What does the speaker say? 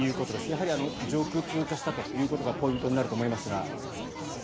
やはり上空を通過したということがポイントになると思いますが。